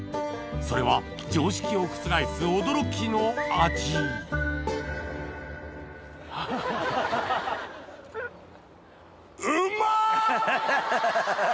それは常識を覆す驚きの味うま！ハハハ。